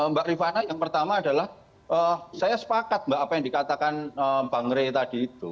mbak rifana yang pertama adalah saya sepakat mbak apa yang dikatakan bang rey tadi itu